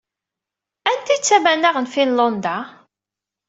Anta i d tamanaɣ n Finlanda?